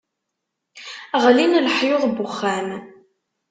Ɣlin leḥyuḍ n wexxam.